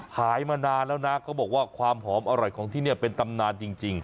มานานแล้วนะเขาบอกว่าความหอมอร่อยของที่นี่เป็นตำนานจริง